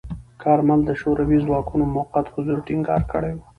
کارمل د شوروي ځواکونو موقت حضور ټینګار کړی و.